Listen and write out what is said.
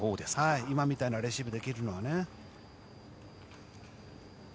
今みたいなレシーブができるのはね。